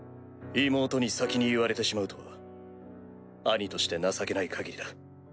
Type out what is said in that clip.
妹に先に言われてしまうとは兄として情けない限りだ。